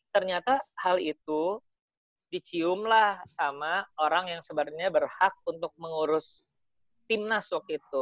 ternyata hal itu diciumlah sama orang yang sebenarnya berhak untuk mengurus timnas waktu itu